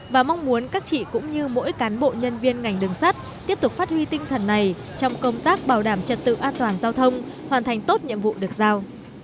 và mong muốn các chị cũng như mỗi cán bộ nhân viên ngành đường sắt tiếp tục phát huy tinh thần này trong công tác bảo đảm trật tự an toàn giao thông hoàn thành tốt nhiệm vụ được giao